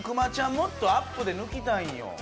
もっとアップで抜きたいんよ。